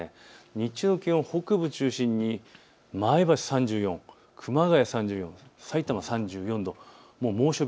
日中の気温、北部中心に前橋３４、熊谷３４、さいたま３４度、猛暑日